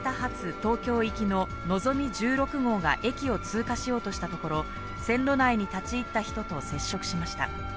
東京行きののぞみ１６号が駅を通過しようとしたところ、線路内に立ち入った人と接触しました。